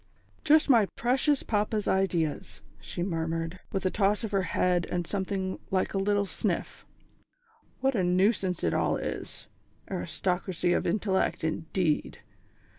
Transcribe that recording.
"_ "Just my precious papa's ideas!" she murmured, with a toss of her head, and something like a little sniff. "What a nuisance it all is! Aristocracy of intellect, indeed!